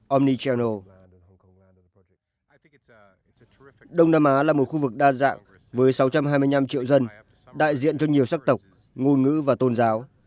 ông đông nam á là một khu vực đa dạng với sáu trăm hai mươi năm triệu dân đại diện cho nhiều sắc tộc ngôn ngữ và tôn giáo